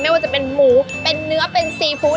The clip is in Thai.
ว่าจะเป็นหมูเป็นเนื้อเป็นซีฟู้ด